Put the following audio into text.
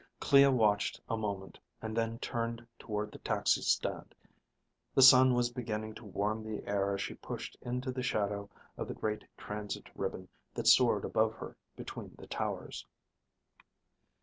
Clea watched a moment, and then turned toward the taxi stand. The sun was beginning to warm the air as she pushed into the shadow of the great transit ribbon that soared above her between the towers.